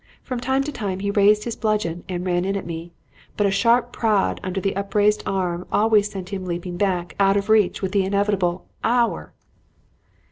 From time to time he raised his bludgeon and ran in at me, but a sharp prod under the upraised arm always sent him leaping back out of reach with the inevitable 'Ow er!'